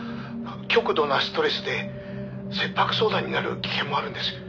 「極度のストレスで切迫早産になる危険もあるんです」